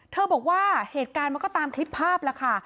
บอกว่าเหตุการณ์มันก็ตามคลิปภาพแล้วค่ะ